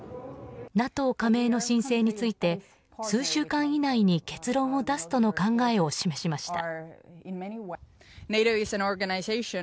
ＮＡＴＯ加盟の申請について数週間以内に結論を出すとの考えを示しました。